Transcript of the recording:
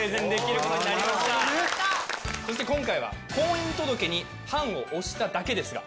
そして今回は「婚姻届に判を捺しただけですが」